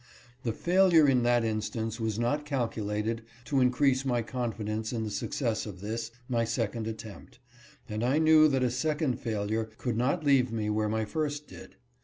The fail ure in that instance was not calculated to increase my confidence in the success of this, my second attempt ; and I knew that a second failure could not leave me where my first did.